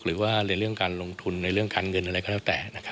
หรือว่าในเรื่องการลงทุนในเรื่องการเงินอะไรก็แล้วแต่